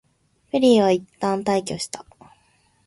ペリーはいったん退去した。